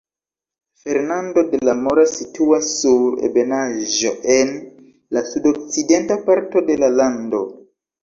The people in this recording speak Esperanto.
Fernando de la Mora situas sur ebenaĵo en la sudokcidenta parto de la lando.